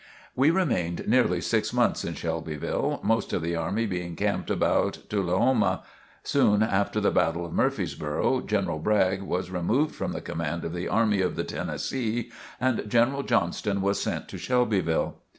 We remained nearly six months in Shelbyville, most of the army being camped about Tullahoma. Soon after the Battle of Murfreesboro, General Bragg was removed from the command of the Army of the Tennessee and General Johnston was sent to Shelbyville.